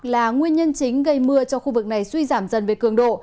là nguyên nhân chính gây mưa cho khu vực này suy giảm dần về cường độ